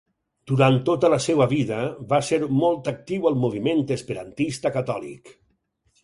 Durant tota la seva vida va ser molt actiu al moviment esperantista catòlic.